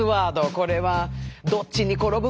これはどっちに転ぶかな？